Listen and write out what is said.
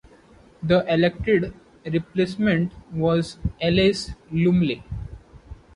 The elected replacement was Alice Lumley.